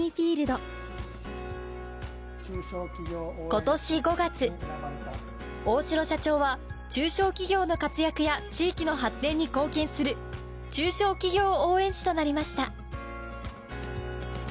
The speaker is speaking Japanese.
今年５月大城社長は中小企業の活躍や地域の発展に貢献する中小企業応援士となりました。